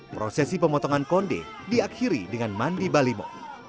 prosesi pemotongan konde diakhiri dengan mandi balimo